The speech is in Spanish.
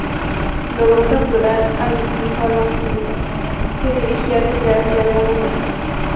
Logró capturar al mestizo Alonso Díaz, que dirigía desde hacia algunos años.